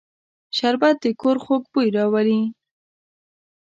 شربت د کور خوږ بوی راولي